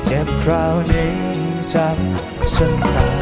เจ็บคราวนี้จับฉันตาย